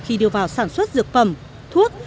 khi đưa vào sản xuất dược phẩm thuốc